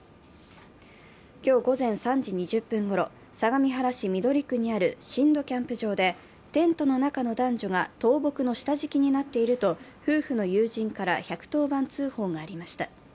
今日午前３時２０分ごろ、相模原市緑区にある新戸キャンプ場で、テントの中の男女が倒木の下敷きになっていると夫婦の友人から１１０番通報がありました。